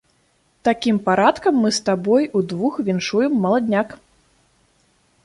Такім парадкам мы з табой удвух віншуем маладняк.